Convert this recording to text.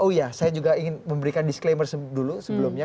oh iya saya juga ingin memberikan disclaimer dulu sebelumnya